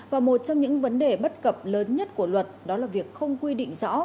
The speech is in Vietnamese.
và một trong những vấn đề bất cập lớn nhất của luật đó là việc không quy định rõ